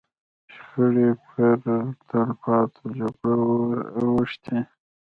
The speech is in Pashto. شخړې پر تلپاتو جګړو اوښتې.